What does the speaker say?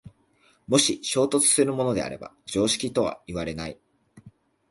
もし衝突するものであれば常識とはいわれない。